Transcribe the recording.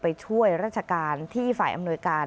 ไปช่วยราชการที่ฝ่ายอำนวยการ